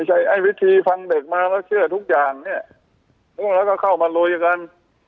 ไอ้วิธีฟังเด็กมาแล้วเชื่อทุกอย่างเนี่ยแล้วก็เข้ามาลุยกัน